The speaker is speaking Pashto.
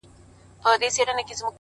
ته به د غم يو لوى بيابان سې گرانــــــي،